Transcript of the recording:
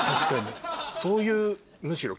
そういうむしろ。